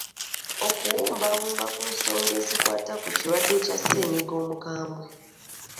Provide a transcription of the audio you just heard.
Okuwumbawumba ku songa ezikwata ku kirwadde kya ssennyga omukambwe.